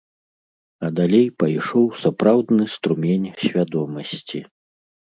А далей пайшоў сапраўдны струмень свядомасці.